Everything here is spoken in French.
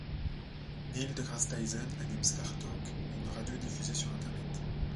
Neil deGrasse Tyson anime StarTalk, une radio diffusée sur internet.